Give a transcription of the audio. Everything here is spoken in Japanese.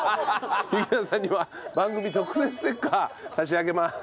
雪乃さんには番組特製ステッカー差し上げます。